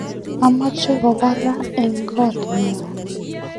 komeche kobaran eng' kot nyu